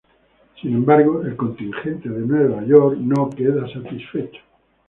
Sin embargo, el contingente de Nueva York no queda satisfecho.